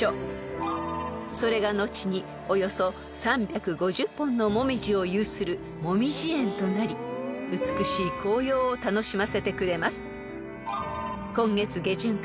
［それが後におよそ３５０本のモミジを有するもみじ苑となり美しい紅葉を楽しませてくれます］